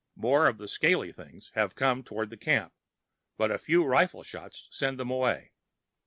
More of the scaly things have come toward the camp, but a few rifle shots send them away.